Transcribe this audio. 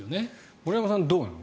森山さん、どうなの？